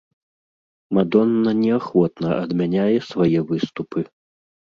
Мадонна неахвотна адмяняе свае выступы.